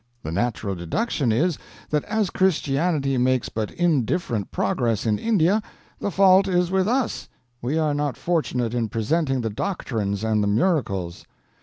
The natural deduction is, that as Christianity makes but indifferent progress in India, the fault is with us: we are not fortunate in presenting the doctrines and the miracles.